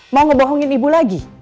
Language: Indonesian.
mau ngebohongin ibu lagi